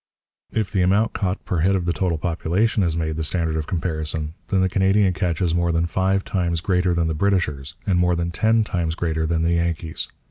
If the amount caught per head of the total population is made the standard of comparison, then the Canadian catch is more than five times greater than the Britishers', and more than ten times greater than the Yankees'.